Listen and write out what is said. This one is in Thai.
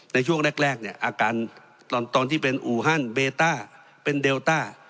ในช่วงแรกตอนที่เป็นอูฮันเบต้าเป็นเดลต้า